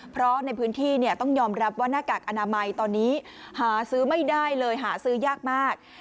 เพราะในพื้นที่ต้องยอมรับว่าหน้ากากอนามัยตอนนี้หาซื้อไม่ได้เลยหาซื้อยากมาก